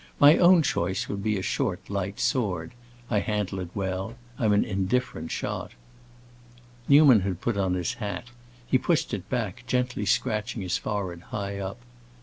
My own choice would be a short, light sword. I handle it well. I'm an indifferent shot." Newman had put on his hat; he pushed it back, gently scratching his forehead, high up.